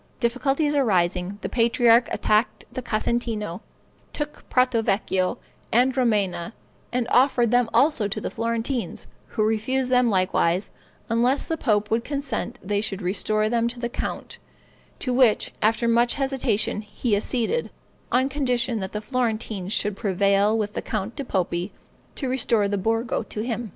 Difficulties arising, the patriarch attacked the Casentino, took Prato Vecchio, and Romena, and offered them also to the Florentines, who refused them likewise, unless the pope would consent they should restore them to the count, to which, after much hesitation, he acceded, on condition that the Florentines should prevail with the Count di Poppi to restore the Borgo to him.